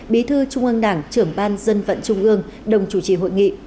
bí thư trung ương đảng trưởng ban dân vận trung ương đồng chủ trì hội nghị